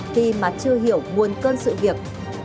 khi mà chưa hiểu nguồn cơn sự việc